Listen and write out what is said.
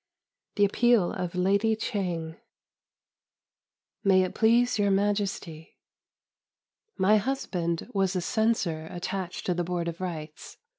THE APPEAL OF LADY CHANG May it please Your Majesty, My husband was a Censor attached to the Board of Rites.